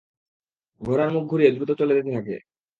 ঘোড়ার মুখ ঘুরিয়ে দ্রুত চলে যেতে থাকে।